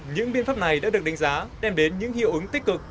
những biên pháp này đã được đánh giá đem đến những hiệu ứng tích cực